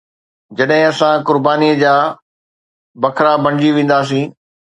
جڏهن اسان قربانيءَ جا بکرا بڻجي وينداسين.